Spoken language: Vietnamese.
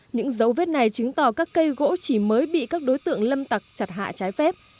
những dấu vết này chứng tỏ các cây gỗ chỉ mới bị các đối tượng lâm tặc chặt hạ trái phép